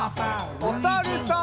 おさるさん。